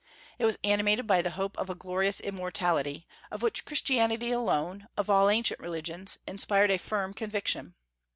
It was animated by the hope of a glorious immortality, of which Christianity alone, of all ancient religions, inspired a firm conviction.